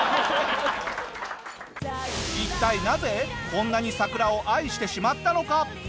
一体なぜこんなに桜を愛してしまったのか。